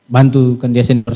bantukan dia sendiri